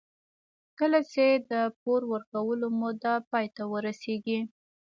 کله چې د پور ورکولو موده پای ته ورسېږي